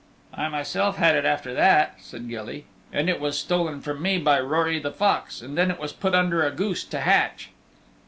"I myself had it after that," said Gilly, "and it was stolen from me by Rory the Fox. And then it was put under a goose to hatch."